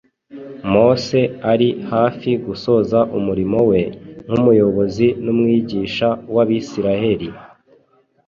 Mose ari hafi gusoza umurimo we nk’umuyobozi n’umwigisha w’Abisiraheli,